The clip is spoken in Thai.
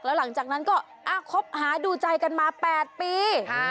แล้วหลังจากนั้นก็คบหาดูใจกันมา๘ปี